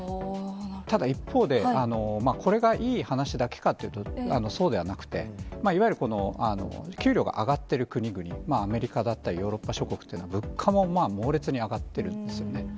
ただ一方で、これがいい話だけかっていうと、そうではなくて、いわゆる、この給料が上がってる国々、アメリカだったりヨーロッパ諸国というのは、物価もまあ、猛烈に上がってるんですよね。